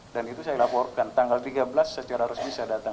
dan itu saya laporkan tanggal tiga belas secara resmi saya datang